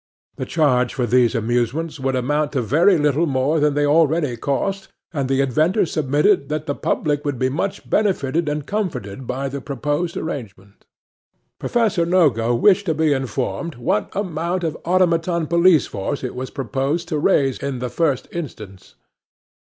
The charge for these amusements would amount to very little more than they already cost, and the inventor submitted that the public would be much benefited and comforted by the proposed arrangement. [Picture: Automaton Police Office, and Real Offenders] 'PROFESSOR NOGO wished to be informed what amount of automaton police force it was proposed to raise in the first instance.